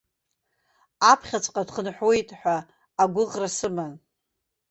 Аԥхьаҵәҟьа дхынҳәуеит ҳәа агәыӷра сыман.